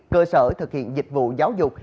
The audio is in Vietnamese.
cơ sở thực hiện dịch vụ giáo dục